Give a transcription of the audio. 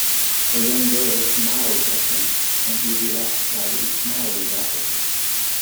A young girl smiles at him, and he reacts by smiling back at her.